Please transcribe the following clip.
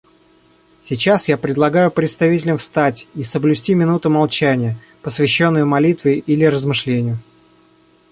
Сейчас я предлагаю представителям встать и соблюсти минуту молчания, посвященную молитве или размышлению.